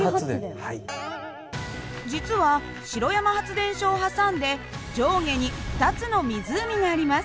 実は城山発電所を挟んで上下に２つの湖があります。